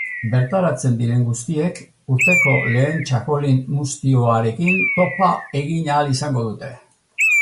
Bertaratzen diren guztiek urteko lehen txakolin muztioarekin topa egin ahal izango dute.